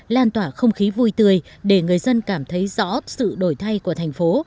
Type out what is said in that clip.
lan tỏa không khí vui tươi để người dân cảm thấy rõ sự đổi thay của thành phố